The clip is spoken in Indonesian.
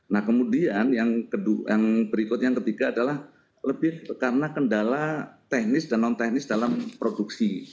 nah kemudian yang berikutnya yang ketiga adalah lebih karena kendala teknis dan non teknis dalam produksi